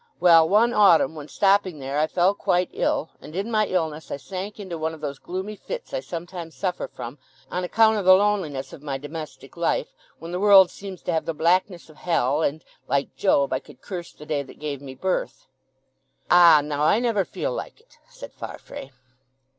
Well, one autumn when stopping there I fell quite ill, and in my illness I sank into one of those gloomy fits I sometimes suffer from, on account o' the loneliness of my domestic life, when the world seems to have the blackness of hell, and, like Job, I could curse the day that gave me birth." "Ah, now, I never feel like it," said Farfrae.